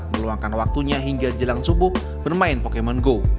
meluangkan waktunya hingga jelang subuh bermain pokemon go